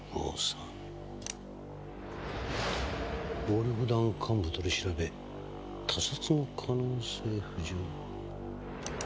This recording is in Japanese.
「暴力団幹部取り調べ他殺の可能性浮上」？